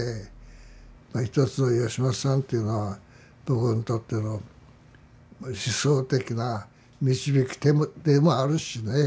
まあ一つの吉本さんというのは僕にとっての思想的な導き手でもあるしね。